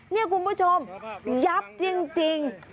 นี่คุณผู้ชมยับจริง